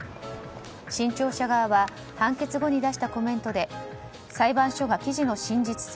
新潮社側は判決後に出したコメントで裁判所が記事の真実性